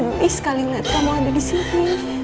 mama sedih sekali ngeliat kamu ada disini